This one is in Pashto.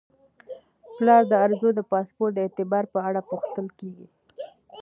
پلار د ارزو د پاسپورت د اعتبار په اړه پوښتل کیږي.